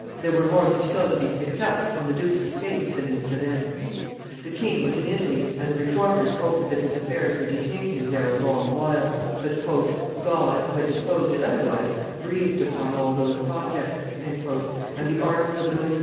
There were more pistoles to be picked up on the duke's estates than in the Cevennes. The king was in Italy, and the Reformers hoped that his affairs would detain him there a long while; but "God, who had disposed it otherwise, breathed upon all those projects," and the arms of Louis XIII.